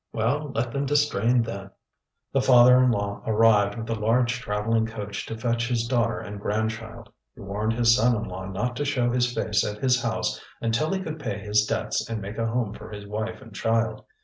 Well, let them distrain then! The father in law arrived with a large travelling coach to fetch his daughter and grand child. He warned his son in law not to show his face at his house until he could pay his debts and make a home for his wife and child.